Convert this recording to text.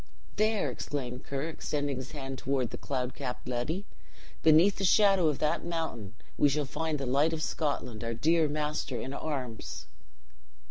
"There," exclaimed Ker, extending his hand toward the cloud capped Ledi, "beneath the shadow of that mountain, we shall find the light of Scotland, our dear master in arms!"